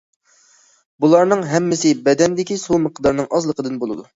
بۇلارنىڭ ھەممىسى بەدەندىكى سۇ مىقدارىنىڭ ئازلىقىدىن بولىدۇ.